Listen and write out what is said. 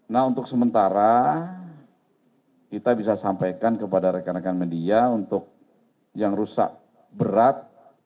nah untuk sementara kita bisa sampaikan kepada rekan rekan media untuk yang rusak berat